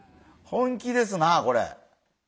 本気ですなあこれ。